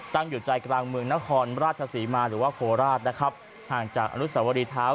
อยู่ใจกลางเมืองนครราชศรีมาหรือว่าโคราชนะครับห่างจากอนุสวรีเท้า